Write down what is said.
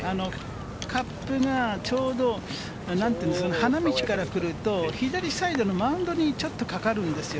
カップがちょうど花道から来ると、左サイドのマウンドにちょっとかかるんですよ。